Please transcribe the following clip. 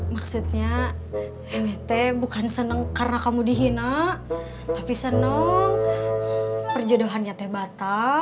maksudnya emete bukan seneng karena kamu dihina tapi seneng perjodohannya tuh batal